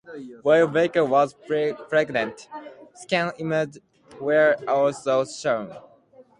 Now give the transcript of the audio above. While Barker was pregnant, scan images were also shown.